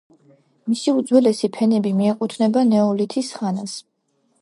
მისი უძველესი ფენები მიეკუთვნება ნეოლითის ხანას.